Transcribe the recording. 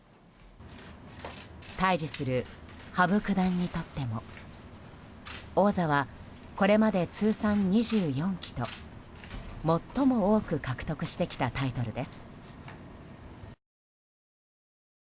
対峙する羽生九段にとっても王座はこれまで通算２４期と最も多く獲得してきたタイトルです。